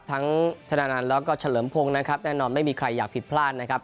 ชนะนันต์แล้วก็เฉลิมพงศ์นะครับแน่นอนไม่มีใครอยากผิดพลาดนะครับ